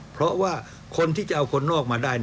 เพราะว่าคนที่จะเอาคนนอกมาได้